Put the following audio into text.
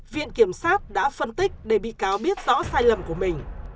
viện kiểm sát đã phân tích để bị cáo biết rõ sai lầm của mình